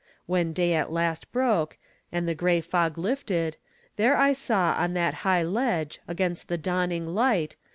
When day at last Broke, and the gray fog lifted, there I saw On that high ledge, against the dawning light.